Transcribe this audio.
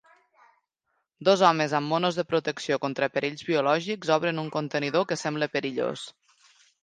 Dos homes amb monos de protecció contra perills biològics obren un contenidor que sembla perillós.